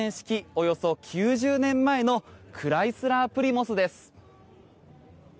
およそ９０年前のクライスラー・プリムスです。